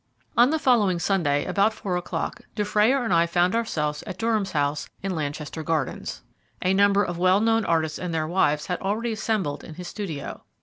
On the following Sunday, about four o'clock, Dufrayer and I found ourselves at Durham's house in Lanchester Gardens. A number of well known artists and their wives had already assembled in his studio.